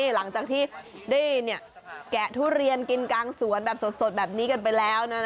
หลังจากที่ได้แกะทุเรียนกินกลางสวนแบบสดแบบนี้กันไปแล้วนะ